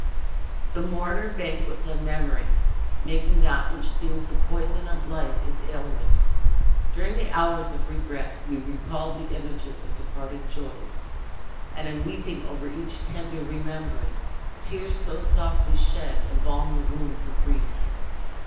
The mourner banquets on memory; making that which seems the poison of life, its ailment. During the hours of regret we recall the images of departed joys; and in weeping over each tender remembrance, tears so softly shed embalm the wounds of grief.